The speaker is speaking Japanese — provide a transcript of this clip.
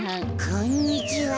こんにちは。